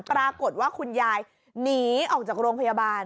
ปรากฏว่าคุณยายหนีออกจากโรงพยาบาล